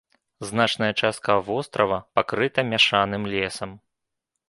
Значная частка вострава пакрыта мяшаным лесам.